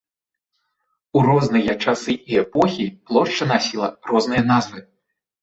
У розныя часы і эпохі плошча насіла розныя назвы.